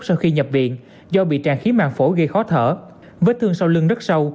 sau khi nhập viện do bị tràn khí mạng phổ gây khó thở vết thương sau lưng rất sâu